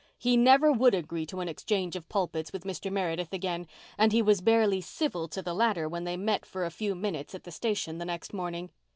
He never would agree to an exchange of pulpits with Mr. Meredith again, and he was barely civil to the latter when they met for a few minutes at the station the next morning.